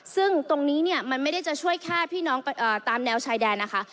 ซึ่งตรงนี้เนี่ยมันไม่ได้จะช่วยแค่พี่น้องตามแนวชายแดนนะคะ